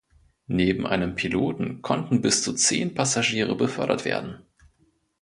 Neben einem Piloten konnten bis zu zehn Passagiere befördert werden.